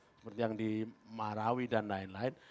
seperti yang di marawi dan lain lain